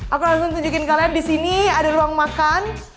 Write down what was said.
aku langsung tunjukin kalian di sini ada ruang makan